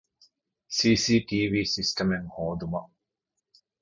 ސީސީޓީވީ ސިސްޓަމެއް ހޯދުމަށް